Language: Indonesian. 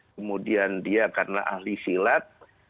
kemudian dia karena ahli silat